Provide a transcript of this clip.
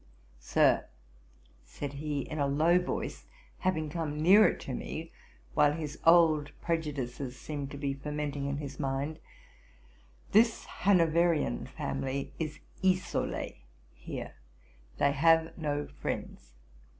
'Sir, (said he, in a low voice, having come nearer to me, while his old prejudices seemed to be fermenting in his mind,) this Hanoverian family is isolée here. They have no friends.